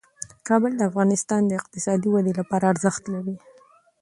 کابل د افغانستان د اقتصادي ودې لپاره ارزښت لري.